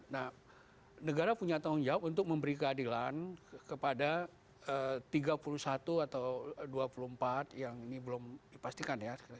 nah negara punya tanggung jawab untuk memberi keadilan kepada tiga puluh satu atau dua puluh empat yang ini belum dipastikan ya